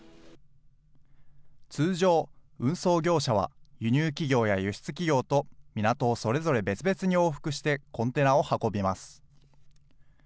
通常、運送業者は輸入企業や輸出企業と港をそれぞれ別々に往復してコンテナを運びます。